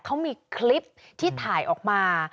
เขามีคลิปที่ถ่ายออกมา